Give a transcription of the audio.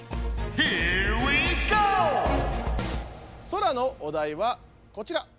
ソラのお題はこちら。